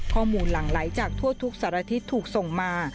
หลั่งไหลจากทั่วทุกสารทิศถูกส่งมา